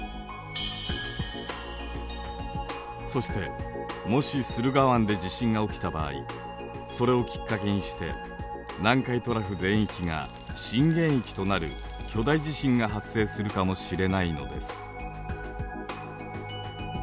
そしてもし駿河湾で地震が起きた場合それをきっかけにして南海トラフ全域が震源域となる巨大地震が発生するかもしれないのです。